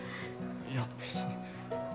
いや別に